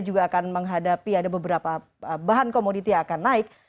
juga akan menghadapi ada beberapa bahan komoditi yang akan naik